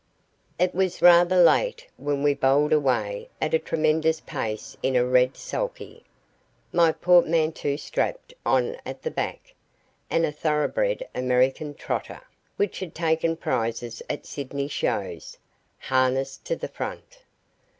It was rather late when we bowled away at a tremendous pace in a red sulky, my portmanteau strapped on at the back, and a thoroughbred American trotter, which had taken prizes at Sydney shows, harnessed to the front.